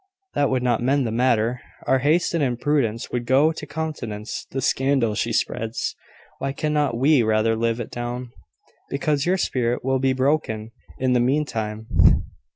"That would not mend the matter. Our haste and imprudence would go to countenance the scandal she spreads. Why cannot we rather live it down?" "Because your spirit will be broken in the mean time.